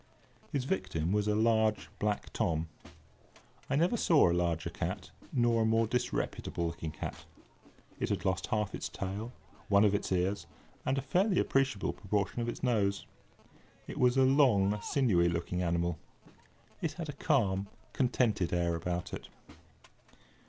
His victim was a large black Tom. I never saw a larger cat, nor a more disreputable looking cat. It had lost half its tail, one of its ears, and a fairly appreciable proportion of its nose. It was a long, sinewy looking animal. It had a calm, contented air about it.